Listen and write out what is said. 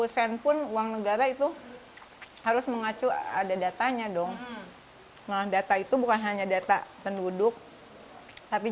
sen pun uang negara itu harus mengacu ada datanya dong nah data itu bukan hanya data penduduk tapi